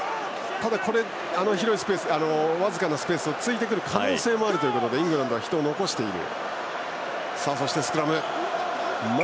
ただ、僅かなスペースを突いてくる可能性もあるということでイングランドは人を残している。